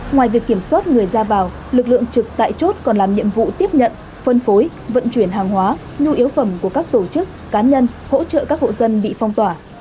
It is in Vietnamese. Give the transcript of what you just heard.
ngoài việc kiểm soát người ra vào lực lượng trực tại chốt còn làm nhiệm vụ tiếp nhận phân phối vận chuyển hàng hóa nhu yếu phẩm của các tổ chức cá nhân hỗ trợ các hộ dân bị phong tỏa